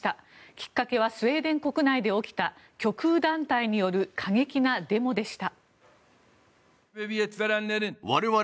きっかけはスウェーデン国内で起きた極右団体による過激なデモでした。